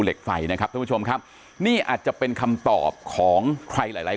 เหล็กไฟนะครับท่านผู้ชมครับนี่อาจจะเป็นคำตอบของใครหลายหลายคน